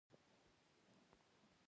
تر نهه سوه دولس کال پورې شاهي کورنۍ وه.